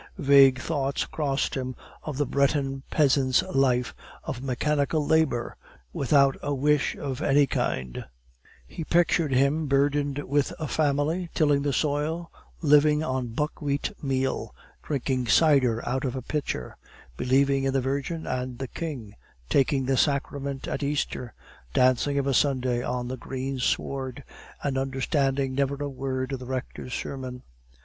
Vague thoughts crossed him of the Breton peasant's life of mechanical labor, without a wish of any kind; he pictured him burdened with a family, tilling the soil, living on buckwheat meal, drinking cider out of a pitcher, believing in the Virgin and the King, taking the sacrament at Easter, dancing of a Sunday on the green sward, and understanding never a word of the rector's sermon.